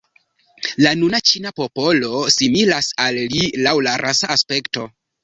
La nuna ĉina popolo similas al li laŭ rasa aspekto.